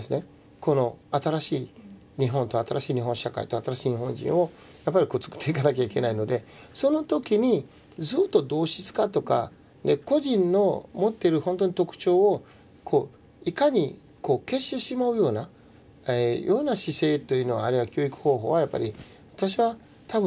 この新しい日本と新しい日本社会と新しい日本人をつくっていかなきゃいけないのでその時にずっと同質化とか個人の持ってるほんとに特徴をいかに消してしまうような姿勢というのはあれは教育方法はやっぱり私は多分通用しないと思うんですよ。